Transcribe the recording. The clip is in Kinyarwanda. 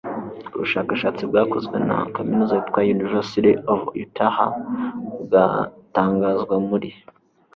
ubushakashatsi bwakozwe na kaminuza yitwa 'university of utah', bugatangazwa muri